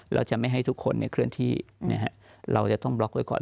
เราจะไม่ให้ทุกคนเคลื่อนที่เราจะต้องบล็อกไว้ก่อน